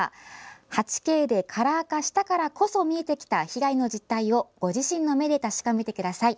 ８Ｋでカラー化したからこそ見えてきた被害の実態をご自身の目で確かめてください。